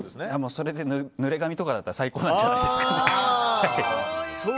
それで、ぬれ髪とかだったら最高なんじゃないんですか。